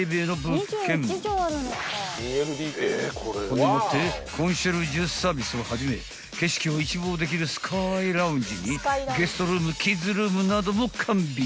［そんでもってコンシェルジュサービスをはじめ景色を一望できるスカイラウンジにゲストルームキッズルームなども完備］